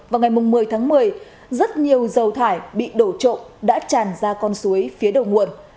vào ngày một mươi tháng một mươi rất nhiều dầu thải bị đổ trộm đã tràn ra con suối phía đầu nguồn